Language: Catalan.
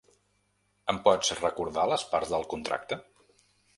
Em pots recordar les parts del contracte?